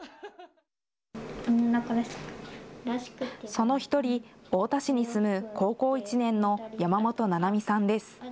その１人、太田市に住む高校１年の山本ななみさんです。